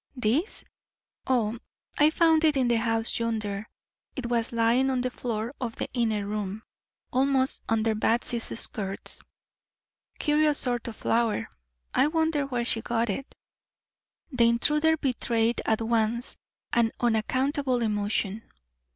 "This? Oh, I found it in the house yonder. It was lying on the floor of the inner room, almost under Batsy's skirts. Curious sort of flower. I wonder where she got it?" The intruder betrayed at once an unaccountable emotion.